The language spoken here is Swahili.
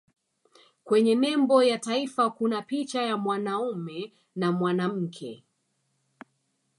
kwenye nembo ya taifa kuna picha ya mwanaume na mwanamke